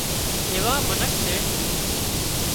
ايوان منک سي